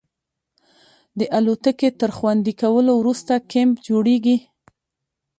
د الوتکې تر خوندي کولو وروسته کیمپ جوړیږي